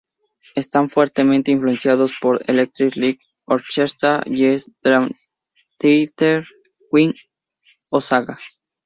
Están fuertemente influenciados por Electric Light Orchestra, Yes, Dream Theater, Queen o Saga.